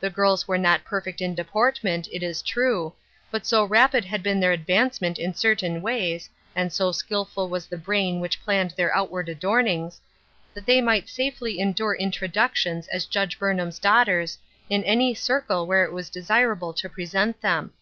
The girls were not perfect in deportment, it is true; but so rapid had been their advancement in certain ways, and so skillful was the brain which planned their outward adornings, that they might safely endure introductions as Judge Burnham's daughters, in any circle whdre it was desirable to present them.